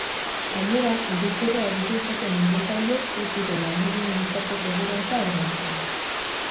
Gainera, iruzurra egiten zuten enpresa horiek ez zuten langileen gizarte segurantza ordaintzen.